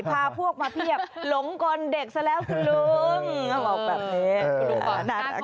พาพวกมาเพียบหลงกลเด็กซะแล้วคุณลุง